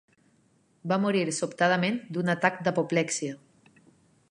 Va morir sobtadament d'un atac d'apoplexia.